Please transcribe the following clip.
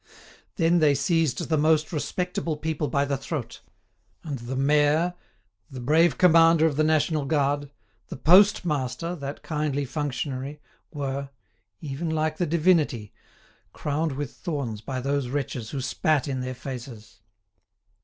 "Then they seized the most respectable people by the throat; and the mayor, the brave commander of the national guard, the postmaster, that kindly functionary, were—even like the Divinity—crowned with thorns by those wretches, who spat in their faces."